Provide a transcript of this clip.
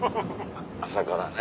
朝からね。